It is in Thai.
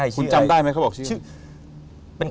คุณจำได้ไหมเขาบอกชื่อ